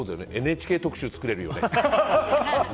ＮＨＫ特集作れるよね。